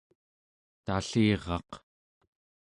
talliraq